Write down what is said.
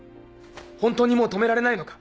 本当にもう止められないのか？